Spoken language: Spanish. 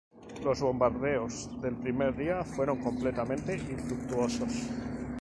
Los bombardeos del primer día fueron completamente infructuosos.